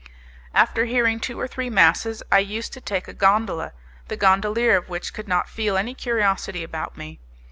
After hearing two or three masses, I used to take a gondola, the gondolier of which could not feel any curiosity about me.